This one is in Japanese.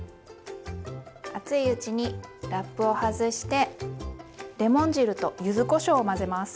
熱いうちにラップを外してレモン汁とゆずこしょうを混ぜます。